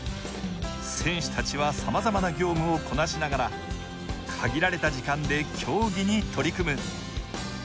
選手たちはさまざまな業務をこなしながら限られた時間で競技に取り組む。